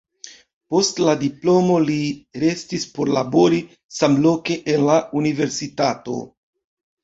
Post la diplomo li restis por labori samloke en la universitato.